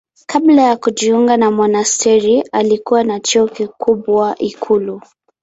Kabla ya kujiunga na monasteri alikuwa na cheo kikubwa ikulu.